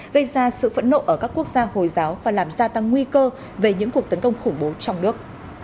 gây ra sự phẫn nộ ở các quốc gia hồi giáo và làm gia tăng nguy cơ về những cuộc tấn công khủng bố trong nước